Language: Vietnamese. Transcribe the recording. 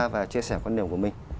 và chia sẻ quan điểm của mình